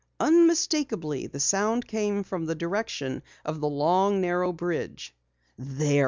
Unmistakably, the sound came from the direction of the long, narrow bridge. "There!